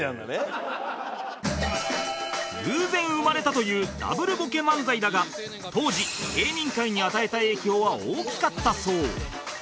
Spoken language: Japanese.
偶然生まれたという Ｗ ボケ漫才だが当時芸人界に与えた影響は大きかったそう